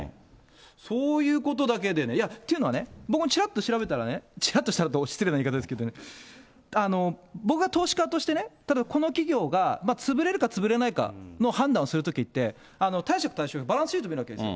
そういうことだけでね、いや、というのはね、僕もちらっと調べたらね、ちらっとって、失礼な言い方ですけどね、僕が投資家としてね、例えばこの企業が潰れるか潰れないかの判断をするときって、たいしゃくたいひょうのバランスだけ見るんですよ。